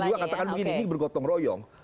saya juga katakan begini ini bergotong royong